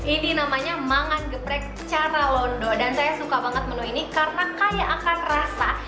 ini namanya mangan geprek charalondo dan saya suka banget menu ini karena kayak akan rasa